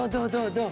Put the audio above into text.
どう？